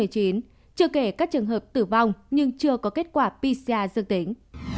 chưa kể các trường hợp tử vong nhưng chưa có kết quả pcr dương tính